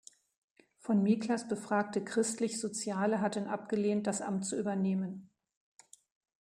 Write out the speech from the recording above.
Von Miklas befragte Christlichsoziale hatten abgelehnt, das Amt zu übernehmen.